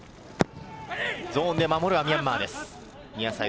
ゾーンで守るのはミャンマーです。